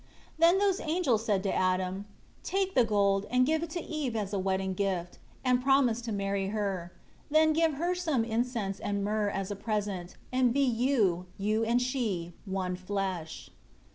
4 Then those angels said to Adam, "Take the gold and give it to Eve as a wedding gift, and promise to marry her; then give her some incense and myrrh as a present; and be you, you and she, one flesh."